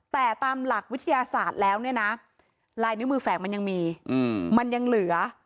แต่ตามหลักวิทยาศาสตร์แล้วเนี่ยนะลายนิ้วมือแฝงมันยังมีมันยังเหลือ